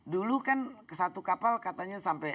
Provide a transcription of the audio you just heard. dulu kan satu kapal katanya sampai lima puluh gt